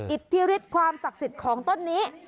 อิทธิฤทธิความศักดิ์สิทธิ์ของต้นนี้